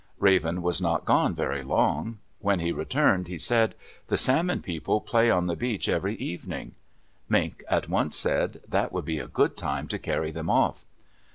Raven was not gone very long. When he returned, he said, "The Salmon People play on the beach every evening." Mink at once said, "That would be a good time to carry them off."